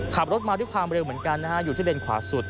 ขับรถมาด้วยความเร็วเหมือนกันนะฮะอยู่ที่เลนขวาสุด